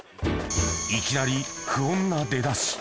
いきなり不穏な出だし。